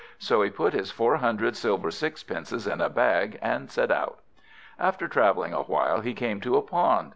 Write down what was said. So he put his four hundred silver sixpences in a bag, and set out. After travelling a while, he came to a pond.